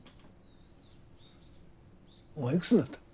お前いくつになった？